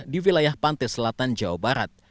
di wilayah pantai selatan jawa barat